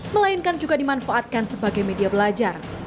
melainkan juga dimanfaatkan sebagai media belajar